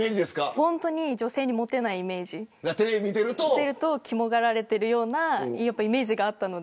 本当に女性にもてないイメージきもがられてるようなイメージがあったので。